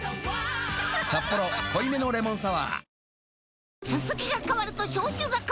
「サッポロ濃いめのレモンサワー」